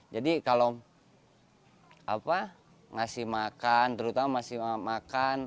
jadi kalau ngasih makan terutama ngasih makan